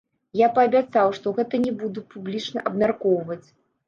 Я паабяцаў, што гэта не буду публічна абмяркоўваць.